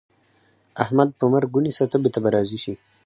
احمد په مرګ ونيسه؛ تبې ته به راضي شي.